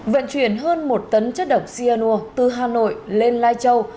vận chuyển hơn một tấn chất độc cyanur từ hà nội lên lai châu